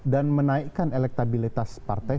dan menaikkan elektabilitas partai